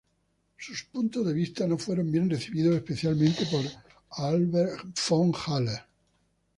Sus puntos de vista no fueron bien recibidos, especialmente por Albrecht von Haller.